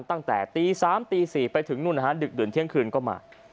ตั้งแต่ตี๓ตี๔ไปถึงนู่นนะฮะดึกดื่นเที่ยงคืนก็มา